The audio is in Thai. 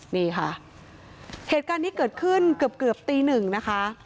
นี่ค่ะเหตุการณ์นี้เกิดขึ้นเกือบเกือบตีหนึ่งนะคะ